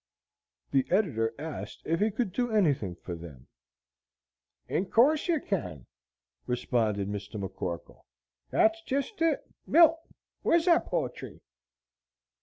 The editor asked if he could do anything for them. "In course you can," responded Mr. McCorkle, "that's jest it. Milt, where's that poetry!"